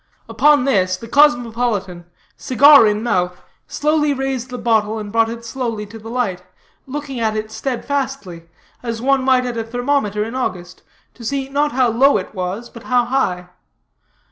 Upon this, the cosmopolitan, cigar in mouth, slowly raised the bottle, and brought it slowly to the light, looking at it steadfastly, as one might at a thermometer in August, to see not how low it was, but how high.